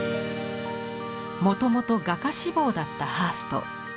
もともと画家志望だったハースト。